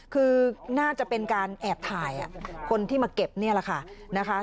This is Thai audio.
คือน่าจะเป็นการแอบถ่ายคนที่มาเก็บนี่แหละค่ะนะคะ